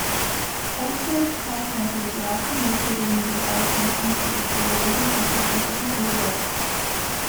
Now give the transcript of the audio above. Outsourced call centres are often located in developing countries, where wages are significantly lower.